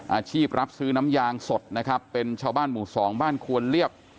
อาชีพรับซื้อน้ำยางสดนะครับเป็นชาวบ้านหมู่สองบ้านควนเรียบ